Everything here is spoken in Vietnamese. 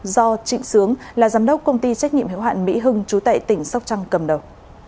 do trịnh sướng là giám đốc công ty trách nhiệm hiệu hạn mỹ hưng chú tệ tỉnh sóc trăng cầm đầu